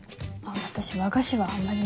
私和菓子はあんまりなんで。